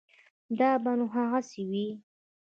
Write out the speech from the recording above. دا به نو هغسې وي.